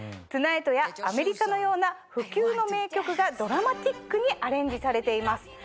『トゥナイト』や『アメリカ』のような不朽の名曲がドラマチックにアレンジされています。